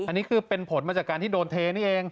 อันนี้คือเป็นผลมาจากการที่โดนเทนี่เอง